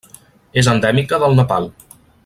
És endèmica del Nepal.